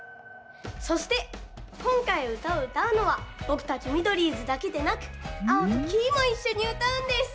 そしてこんかいうたをうたうのはぼくたちミドリーズだけでなくアオとキイもいっしょにうたうんです。